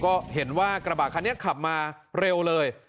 ก็เห็นว่ากระบะคันนี้ขับมาเร็วเลย